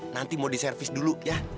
nanti mau diservis dulu ya